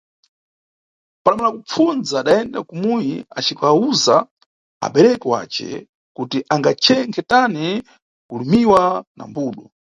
Padamala kupfundza, adayenda kumuyi acikawuza abereki wace kuti angachenkhe tani kulumiwa na mbudu.